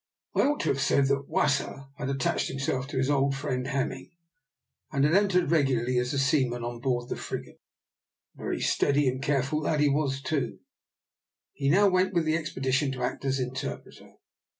I ought to have said that Wasser had attached himself to his old friend Hemming, and had entered regularly as a seaman on board the frigate. A very steady and careful lad he was too. He now went with the expedition to act as interpreter.